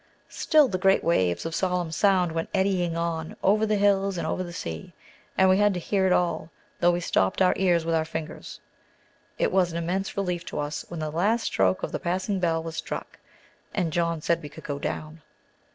Still the great waves of solemn sound went eddying on, over the hills and over the sea, and we had to hear it all, though we stopped our ears with our fingers. It was an immense relief to us when the last stroke of the passing bell was struck, and John said we could go down.